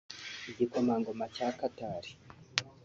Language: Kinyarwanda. Igikomangoma cya Qatar